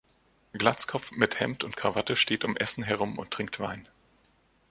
Glatzkopf mit Hemd und Krawatte steht um Essen herum und trinkt Wein.